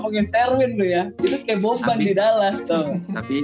lu ngomongin sherwin lu ya itu kayak boban di dallas tau